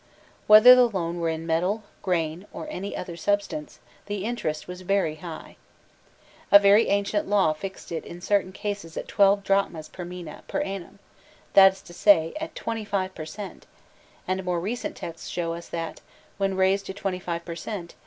Whether the loan were in metal, grain, or any other substance, the interest was very high.* A very ancient law fixed it in certain cases at twelve drachmas per mina, per annum that is to say, at twenty per cent. and more recent texts show us that, when raised to twenty five per cent.